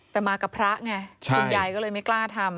แต่มากับพระไงคุณยายก็เลยไม่กล้าทำ